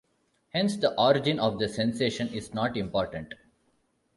Hence, the origin of the sensation is not important.